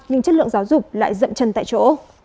nhưng chất lượng giáo dục lại dậm chân tại chỗ